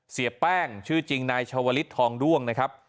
เสียแป้งชื่อจริงนชวลิสท์ทองด้วง